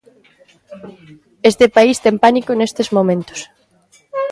Este país ten pánico nestes momentos.